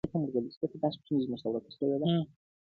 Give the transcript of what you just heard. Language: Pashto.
• چي يې جوړي سوي سوي غلبلې كړې -